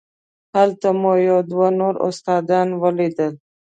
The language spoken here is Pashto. هلته مو یو دوه نور استادان ولیدل.